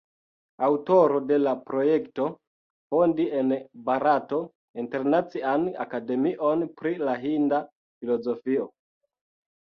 Aŭtoro de la projekto fondi en Barato Internacian Akademion pri la Hinda Filozofio.